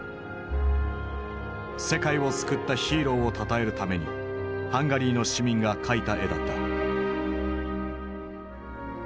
世界を救ったヒーローをたたえるためにハンガリーの市民が描いた絵だった。